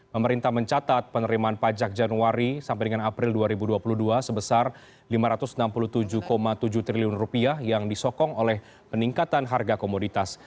pemerintah mencatat penerimaan pajak januari sampai dengan april dua ribu dua puluh dua sebesar rp lima ratus enam puluh tujuh tujuh triliun yang disokong oleh peningkatan harga komoditas